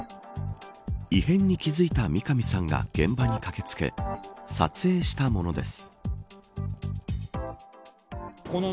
異変に気付いた三上さんが現場に駆けつけ撮影したものです。